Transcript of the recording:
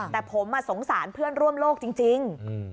แต่ผมสงสารเพื่อนร่วมโลกจริง